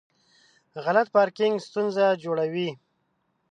غلط پارکینګ ستونزه جوړوي.